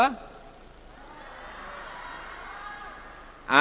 yang ada di sini ada yang ngapal pancasila